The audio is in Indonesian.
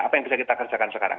apa yang bisa kita kerjakan sekarang